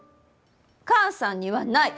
母さんにはない。